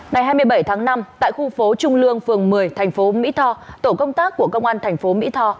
ngày hai mươi bảy tháng năm tại khu phố trung lương phường một mươi thành phố mỹ tho tổ công tác của công an thành phố mỹ tho